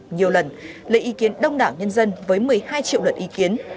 nhiều lần lấy ý kiến đông đảo nhân dân với một mươi hai triệu luật ý kiến